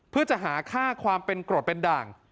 เพื่อจะหาค่าความเป็นโกรธเป็นด่าง